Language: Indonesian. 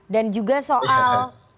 dan juga soal